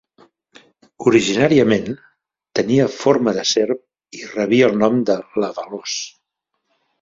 Originàriament, tenia forma de serp i rebia el nom de "La Veloç".